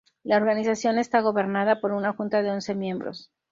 La organización está gobernada por una junta de once miembros.